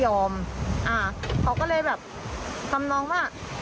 คุณพ่อคุณว่าไง